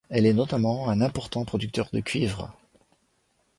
Elle est notamment un important producteur de cuivre.